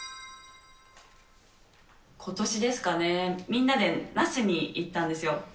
ことしですかね、みんなで那須に行ったんですよ。